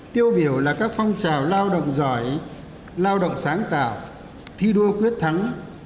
tiêu biểu là các phong trào lao động giỏi lao động sáng tạo thi đua quyết thắng